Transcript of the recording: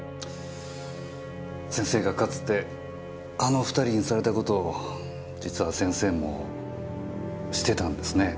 先生がかつてあの２人にされた事を実は先生もしてたんですね